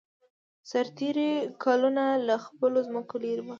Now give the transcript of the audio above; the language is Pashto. سرتېري کلونه له خپلو ځمکو لېرې وو.